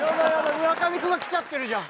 村上君が来ちゃってるじゃん！